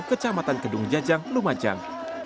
kecamatan kedung jajang lumajang